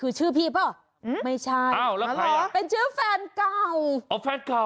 คือชื่อพี่เพราะไม่ใช่เอ้าแล้วไว้ล่ะเป็นเชื่อแฟนกับเข้าบ้างเจอ